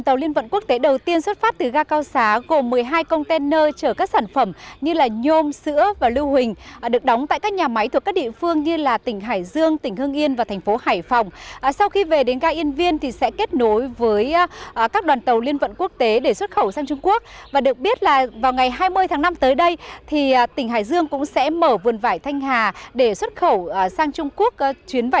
trung quốc chuyến vải thiệu đầu tiên cũng xuất phát từ ga cao xá